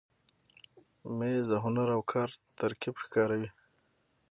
مېز د هنر او کار ترکیب ښکاروي.